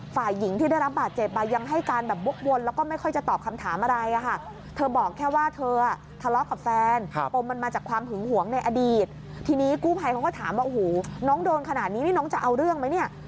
ทีนี้กู้ไพเขาก็ถามว่าโอ้โฮน้องโดนขนาดนี้นี่น้องจะเอาเรื่องไหม